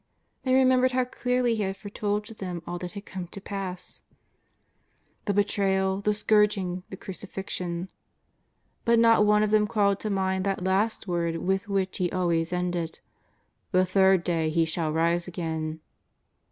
They remembered how clearly He had foretold to them all that had come to pass — the 368 JESUS OF XAZAKETII. betrayal; the scourging, the crucifixion ; but not one of them called to mind that last word with which He always ended :" the third day He shall rise again.